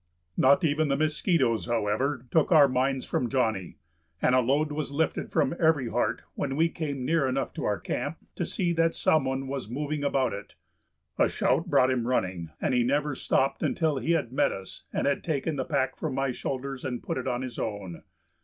Not even the mosquitoes, however, took our minds from Johnny, and a load was lifted from every heart when we came near enough to our camp to see that some one was moving about it. A shout brought him running, and he never stopped until he had met us and had taken the pack from my shoulders and put it on his own.